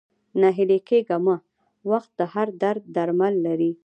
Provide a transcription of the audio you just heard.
ناهيلی کيږه مه ، وخت د هر درد درمل لري